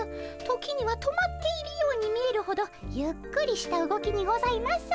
時には止まっているように見えるほどゆっくりした動きにございます。